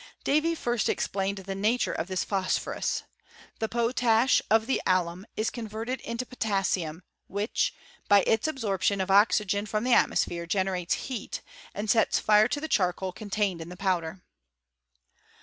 Davy first explained tha nature of this phosphorus. The potash of the alum, is converted into potassium, which, by its absorption, of oxygen from the atmosphere, generates heat, and sets fire to the charcoal contained in the powder.